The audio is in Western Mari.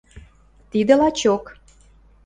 Тидӹ лачок.